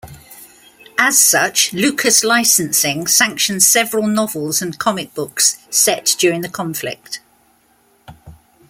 As such, Lucas Licensing sanctioned several novels and comic books set during the conflict.